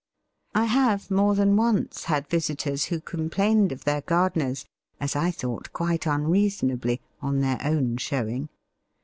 I have more than once had visitors who complained of their gardeners, as I thought quite unreasonably, on their own showing.